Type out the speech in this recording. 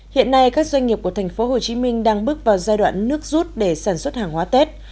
hiện nay các doanh nghiệp của tp hcm đang bước vào giai đoạn nước rút để sản xuất hàng hóa tết